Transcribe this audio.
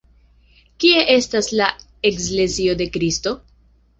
Kie estas la Eklezio de Kristo?.